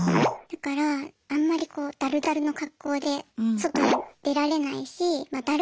だからあんまりこうダルダルの格好で外に出られないしまあ